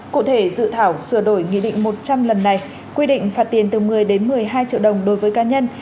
cụ thể dự thảo sửa đổi nghị định một trăm linh lần này quy định phạt tiền từ một mươi đến một mươi hai triệu đồng đối với cá nhân